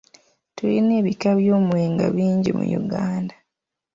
Tulina ebika by'omwenge bingi mu Uganda.